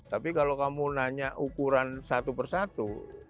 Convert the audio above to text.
tapi kalau kamu nanya ukuran satu persatu